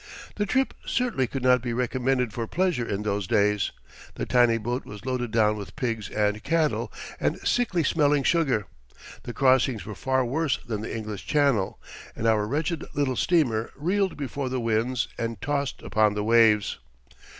The trip certainly could not be recommended for pleasure in those days. The tiny boat was loaded down with pigs and cattle and sickly smelling sugar. The crossings were far worse than the English Channel, and our wretched little steamer reeled before the winds and tossed upon the waves.